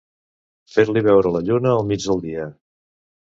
Fer-li veure la lluna al mig del dia.